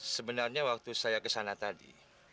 sebenarnya waktu saya kesana tadi